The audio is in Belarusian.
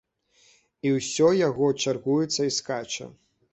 І ўсё яго чаргуецца і скача.